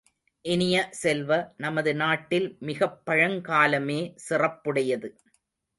இனிய செல்வ, நமது நாட்டில் மிகப்பழங்காலமே சிறப்புடையது.